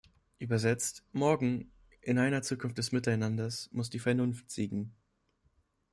Übersetzt: "Morgen, in einer Zukunft des Miteinanders, muss die Vernunft siegen" .